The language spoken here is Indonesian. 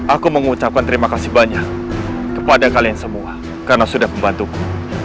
aku mengucapkan terima kasih banyak kepada kalian semua karena sudah membantuku